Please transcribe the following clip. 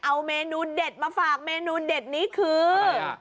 เอาเมนูเด็ดมาฝากเมนูเด็ดนี้คือ